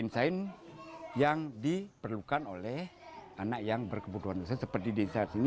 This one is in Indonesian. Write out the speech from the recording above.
dan kemudian yang diperlukan oleh anak yang berkebutuhan khusus seperti di desa ini